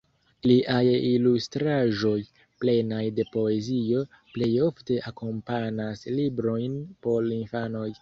Liaj ilustraĵoj, plenaj de poezio, plej ofte akompanas librojn por infanoj.